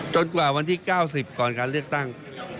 กว่าวันที่๙๐ก่อนการเลือกตั้ง